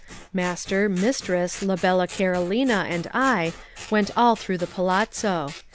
Master, mistress, la bella Carolina, and I, went all through the palazzo.